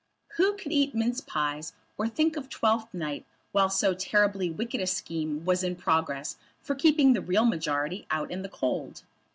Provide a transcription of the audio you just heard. Who could eat mince pies or think of Twelfth Night while so terribly wicked a scheme was in progress for keeping the real majority out in the cold?